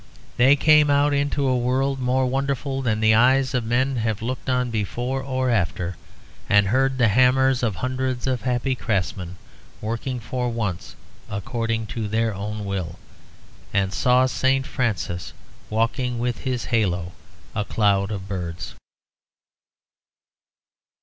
They came out into a world more wonderful than the eyes of men have looked on before or after; they heard the hammers of hundreds of happy craftsmen working for once according to their own will, and saw St. Francis walking with his halo a cloud of birds.